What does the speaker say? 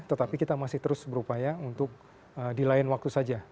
tetapi kita masih terus berupaya untuk di lain waktu saja